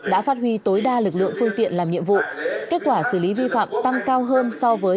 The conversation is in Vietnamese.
đã phát huy tối đa lực lượng phương tiện làm nhiệm vụ kết quả xử lý vi phạm tăng cao hơn so với